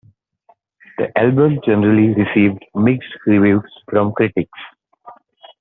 The album generally received mixed reviews from critics.